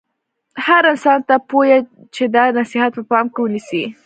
هر انسان ته پویه چې دا نصحیت په پام کې ونیسي.